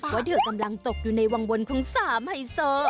ว่าเธอกำลังตกอยู่ในวังวนของสามไฮโซ